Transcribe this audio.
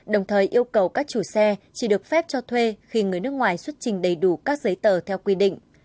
đồng thời yêu cầu các chủ xe chỉ được phép cho thuê khi người nước ngoài xuất trình đầy đủ các giấy tờ theo quy định